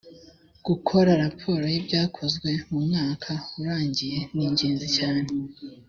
gukora raporo y ‘ibyakozwe mu mwaka urangiye ningenzi cyane.